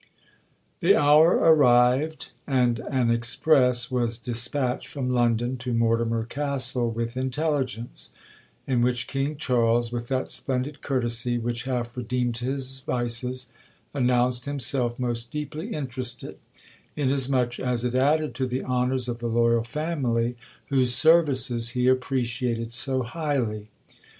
'The hour arrived, and an express was dispatched from London to Mortimer Castle with intelligence, in which King Charles, with that splendid courtesy which half redeemed his vices, announced himself most deeply interested, inasmuch as it added to the honours of the loyal family, whose services he appreciated so highly.